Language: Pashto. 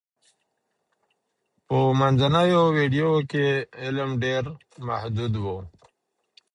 په منځنیو پېړیو کي علم ډېر محدود و.